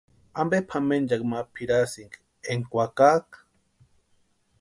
¿Ampe pʼamenchakwa ma pʼirasïnki énka kwakaaka?